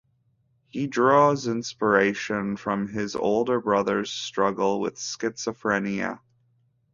He draws inspiration from his older brother's struggle with schizophrenia.